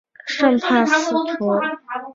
圣帕斯图。